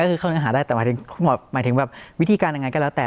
ก็คือเข้าเนื้อหาได้แต่หมายถึงวิธีการยังไงก็แล้วแต่